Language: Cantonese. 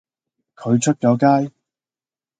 佢出咗街